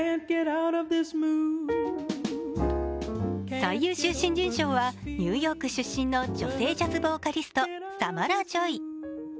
最優秀新人賞はニューヨーク出身の女性ジャズボーカリストのサマラ・ジョイ。